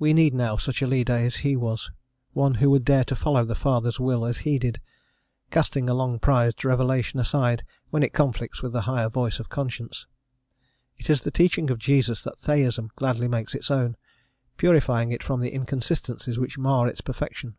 We need now such a leader as he was one who would dare to follow the Father's will as he did, casting a long prized revelation aside when it conflicts with the higher voice of conscience. It is the teaching of Jesus that Theism gladly makes its own, purifying it from the inconsistencies which mar its perfection.